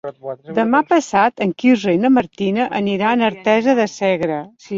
Demà passat en Quirze i na Martina aniran a Artesa de Segre.